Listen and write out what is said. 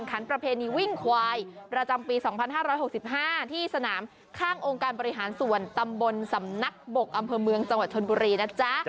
ประเพณีวิ่งควายประจำปี๒๕๖๕ที่สนามข้างองค์การบริหารส่วนตำบลสำนักบกอำเภอเมืองจังหวัดชนบุรีนะจ๊ะ